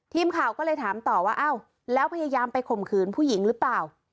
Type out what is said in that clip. ทีมข่าวก็เลยถามต่อว่าอ้าวแล้วพยายามไปข่มขืนผู้หญิงหรือเปล่า